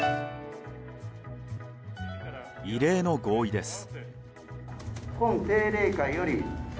異例の合意です。